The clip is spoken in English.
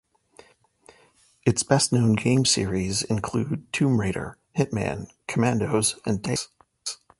Its best-known game series include "Tomb Raider", "Hitman", "Commandos", and "Deus Ex".